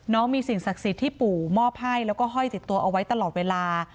น้องมีสิ่งศักดิ์สิทธิ์ที่ปู่มอบให้แล้วก็ห้อยติดตัวเอาไว้ตลอดเวลา